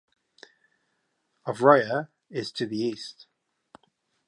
Ovrya is to the east.